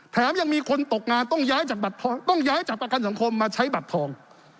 แถมยังมีคนตกงานต้องย้ายจากต้องย้ายจากประกันสังคมมาใช้บัตรทอง